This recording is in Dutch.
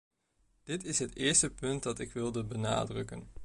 Dit is het eerste punt dat ik wilde benadrukken.